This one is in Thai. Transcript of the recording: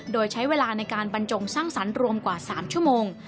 โดยใช้เวลาในการบรรจงสร้างสรรค์รวมกว่า๓ชั่วโมง